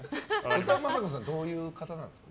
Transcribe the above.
野沢雅子さんはどういう方なんですか？